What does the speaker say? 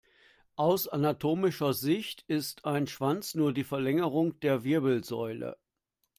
Aus anatomischer Sicht ist ein Schwanz nur die Verlängerung der Wirbelsäule.